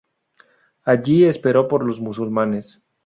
Allí espero por los musulmanes.